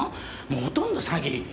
もうほとんど詐欺。